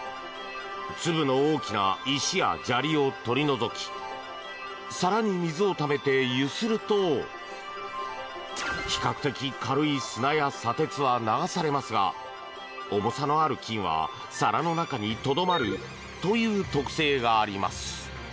粒の大きな石や砂利を取り除き皿に水をためて、ゆすると比較的、軽い砂や砂鉄は流されますが重さのある金は、皿の中にとどまるという特性があります。